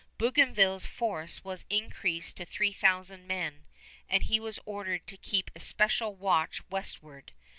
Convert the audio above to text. Bougainville's force was increased to three thousand men, and he was ordered to keep especial watch westward.